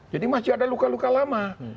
jadi masih ada luka luka lama